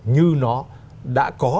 như nó đã có